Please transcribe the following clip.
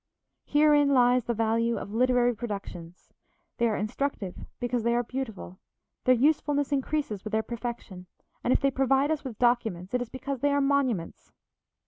Herein lies the value of literary productions. They are instructive because they are beautiful, their usefulness increases with their perfection and if they provide us with documents, it is because they are monuments.